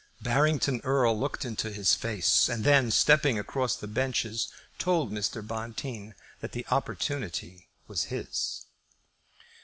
Barrington Erle looked into his face, and then stepping back across the benches, told Mr. Bonteen that the opportunity was his.